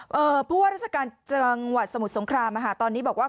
เพราะว่าราชการจังหวัดสมุทรสงครามตอนนี้บอกว่า